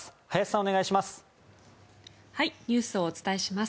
お願いします。